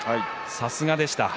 さすがでした。